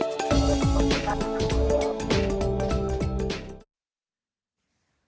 คุณผู้ชมว่าสวยงามมากท่องเที่ยวได้ตลอดปี